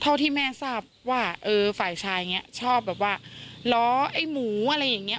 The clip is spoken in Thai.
เท่าที่แม่ทราบว่าฝ่ายชายชอบล้อไอ้หมูอะไรอย่างนี้